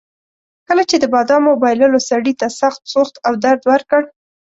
کله چې د بادامو بایللو سړي ته سخت سوخت او درد ورکړ.